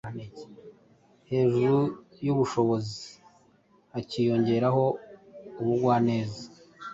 hejuru y’ubushobozi hakiyongeraho ubugwaneza